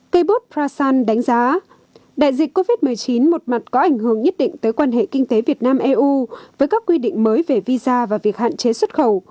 cây bút prasan đánh giá đại dịch covid một mươi chín một mặt có ảnh hưởng nhất định tới quan hệ kinh tế việt nam eu với các quy định mới về visa và việc hạn chế xuất khẩu